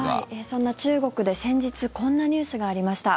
そんな中国で先日こんなニュースがありました。